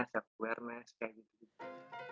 self awareness kayak gitu